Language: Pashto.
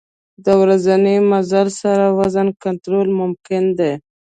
د ورځني مزل سره وزن کنټرول ممکن دی.